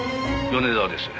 「米沢です。